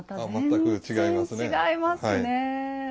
全く違いますね。